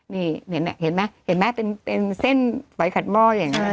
นี่เห็นไหมเป็นเซ่นไฟขัดหม้ออย่างนี้